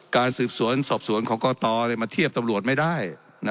การสืบสวนสอบสวนของกตมาเทียบตำรวจไม่ได้